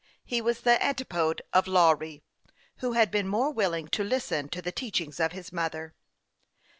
He was the antipode of La wry, who had been more willing to listen to the teachings of his mother.